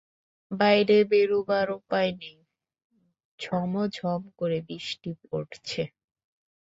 বাইরে বেরুবার উপায় নেই-ঝমোঝম করে বৃষ্টি পড়ছে।